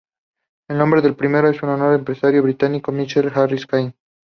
El nombre del premio es en honor al empresario británico Michael Harris Caine.